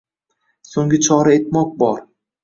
So’nggi chora etmoq bor.